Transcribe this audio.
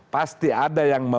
pasti ada yang